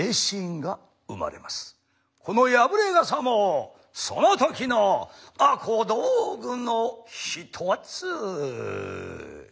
この破れ傘もその時のあ小道具の一つ。